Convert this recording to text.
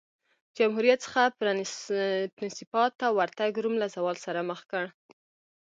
جمهوریت څخه پرنسیپات ته ورتګ روم له زوال سره مخ کړ